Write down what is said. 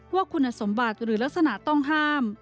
ว่าคุณสมบัติหรือลักษณะต้องห้าม